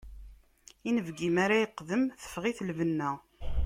Inebgi mi ara iqdem, teffeɣ-it lbenna.